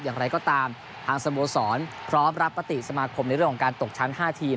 อย่างไรก็ตามทางสโมสรพร้อมรับมติสมาคมในเรื่องของการตกชั้น๕ทีม